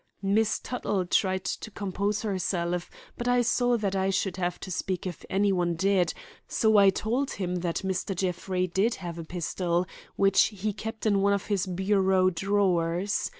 Miss Tuttle tried to compose herself, but I saw that I should have to speak if any one did, so I told him that Mr. Jeffrey did have a pistol, which he kept in one of his bureau drawers.